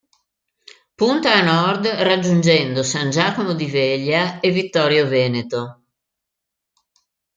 Punta a nord raggiungendo San Giacomo di Veglia e Vittorio Veneto.